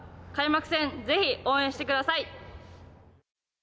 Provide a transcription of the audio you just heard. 開幕戦、ぜひ応援してください！